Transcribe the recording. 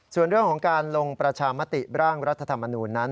ส่วนเรื่องของการลงประชามติร่างรัฐธรรมนูญนั้น